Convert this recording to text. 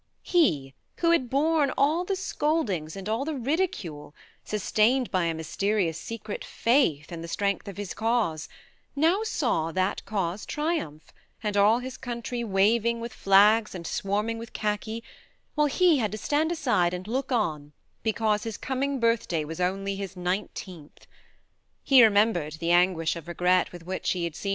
he, who had borne all the scoldings and all the ridicule, sustained by a mysterious secret faith in the 55 56 THE MAKNE strength of his cause, now saw that cause triumph, and all his country waving with flags and swarming with khaki, while he had to stand aside and look on, because his coming birthday was only his nineteenth. ... He re membered the anguish of regret with which he had seen M.